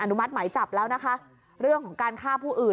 นุมัติหมายจับแล้วนะคะเรื่องของการฆ่าผู้อื่น